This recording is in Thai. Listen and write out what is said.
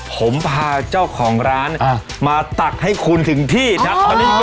ผมพาเจ้าของร้านมาตักให้คุณถึงที่ครับ